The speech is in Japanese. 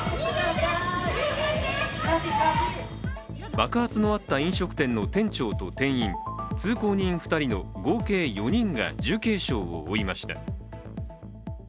爆発のあった飲食店の店長と店員通行人２人の合計４人が重軽傷を負いました。